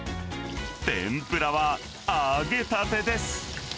天ぷらは揚げたてです。